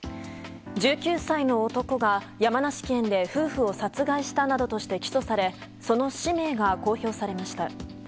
１９歳の男が山梨県で夫婦を殺害したなどとして起訴されその氏名が公表されました。